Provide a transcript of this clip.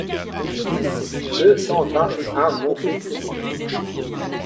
deux cent vingt et un montée du Coin